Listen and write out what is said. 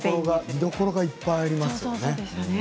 見どころがいっぱいありますね。